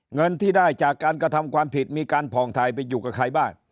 เงินที่ได้จากการกระทำความผิดมีการผ่องทายไปอยู่กับใครบ้าง